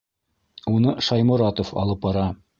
Уны Шайморатов алып бара.